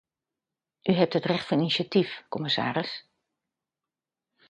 U hebt het recht van initiatief, commissaris.